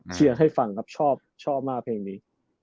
ให้ฟังครับชอบชอบมากเพลงนี้